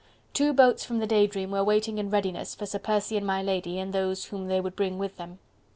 Two boats from the "Day Dream" were waiting in readiness for Sir Percy and my lady and those whom they would bring with them.